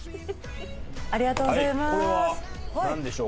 ありがとうございます。